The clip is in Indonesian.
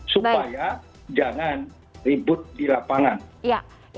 supaya jangan ribut di lapangan